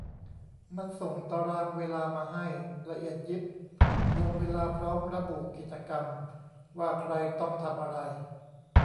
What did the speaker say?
มันส่งตารางเวลามาให้ ! ละเอียดยิบ ลงเวลาพร้อมระบุกิจกรรมว่าใครต้องทำอะไร